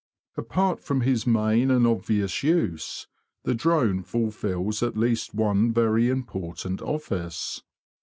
Apart from his main and obvious use, the drone fulfils at least one very important office.